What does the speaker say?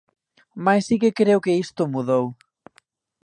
Mais si que creo que isto mudou.